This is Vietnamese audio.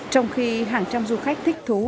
trong khi hàng trăm du khách thích thú